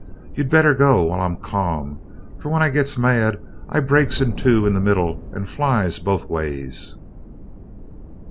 You'd better go while I'm ca'm, for when I gits mad I breaks in two in the middle and flies both ways!"